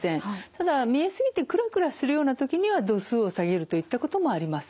ただ見え過ぎてくらくらするような時には度数を下げるといったこともあります。